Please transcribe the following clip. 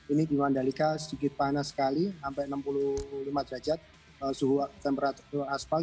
ini di mandalika sedikit panas sekali sampai enam puluh lima derajat suhu temperatur aspal